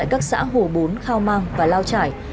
các xã hồ bốn khao mang và lao trải